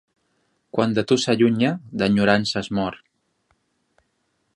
Quan de tu s'allunya, d'enyorança es mor.